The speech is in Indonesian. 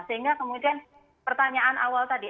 sehingga kemudian pertanyaan awal tadi